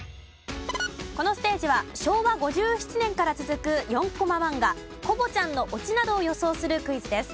このステージは昭和５７年から続く４コマ漫画『コボちゃん』のオチなどを予想するクイズです。